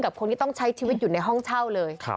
คนที่ต้องใช้ชีวิตอยู่ในห้องเช่าเลย